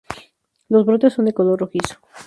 Los brotes son de color rojizo.